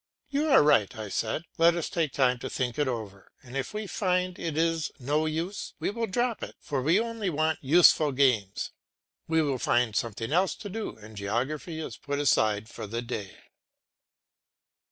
"You are right," I said. "Let us take time to think it over, and if we find it is no use we will drop it, for we only want useful games." We find something else to do and geography is put aside for the day.